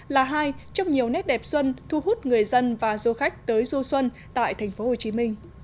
là hai trong nhiều nét đẹp xuân thu hút người dân và du khách tới du xuân tại tp hcm